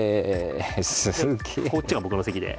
こっちが僕の席で。